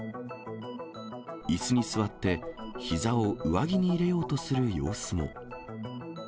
いすに座って、ひざを上着に入れようとする様子も。